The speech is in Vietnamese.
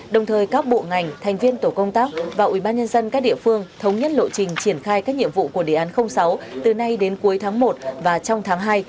đồng thời các bộ ngành thành viên tổ công tác và ubnd các địa phương thống nhất lộ trình triển khai các nhiệm vụ của đề án sáu từ nay đến cuối tháng một và trong tháng hai